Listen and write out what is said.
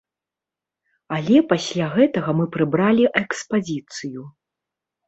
Але пасля гэтага мы прыбралі экспазіцыю.